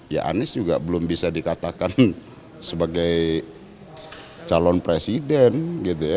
ya anies juga belum bisa dikatakan sebagai calon presiden gitu ya